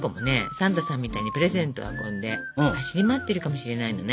サンタさんみたいにプレゼントを運んで走り回ってるかもしれないのね。